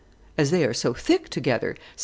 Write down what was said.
"As they are so thick together," said M.